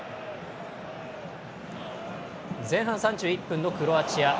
前半３１分のクロアチア。